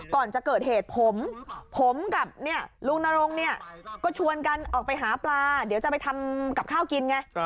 ก่อนจะเกิดเหตุผมนรมก็ชวนกันออกไปหาปลาเดี๋ยวเติบไปทำกับข้าวกินไง